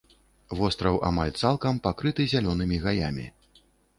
Востраў амаль цалкам пакрыты зялёнымі гаямі.